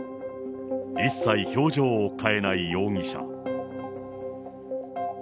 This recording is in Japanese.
一切、表情を変えない容疑者。